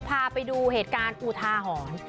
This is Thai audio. พาไปดูเหตุการณ์อุทาหรณ์